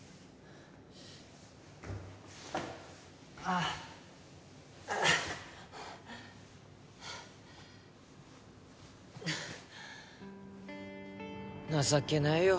あ情けないよ